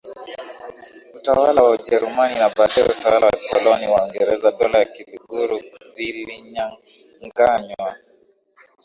utawala wa Ujerumani na baadaye Utawala wa Kikoloni wa Uingereza Dola za Kiluguru zilinyanganywa